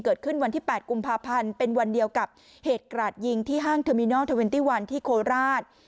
เกิดขึ้นวันที่๘กุมภาพันธ์เป็นวันเดียวกับเหตุกราดยิงที่ห้างเทอร์มินอลเทอร์เวนตี้วันที่โคราช